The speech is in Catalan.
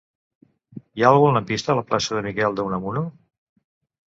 Hi ha algun lampista a la plaça de Miguel de Unamuno?